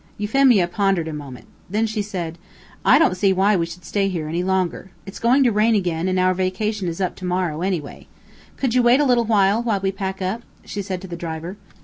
Euphemia pondered a moment. Then said she: "I don't see why we should stay here any longer. It's going to rain again, and our vacation is up to morrow, anyway. Could you wait a little while, while we pack up?" she said to the driver.